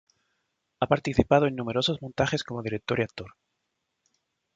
Ha participado en numerosos montajes como director y actor.